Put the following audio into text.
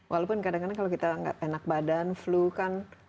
walaupun kadang kadang kalau kita nggak enak badan flu kan